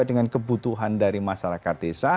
dengan kebutuhan dari masyarakat desa